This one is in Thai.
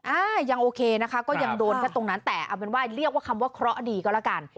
อ่ายังโอเคนะคะก็ยังโดนแค่ตรงนั้นแต่เอาเป็นว่าเรียกว่าคำว่าเคราะห์ดีก็แล้วกัน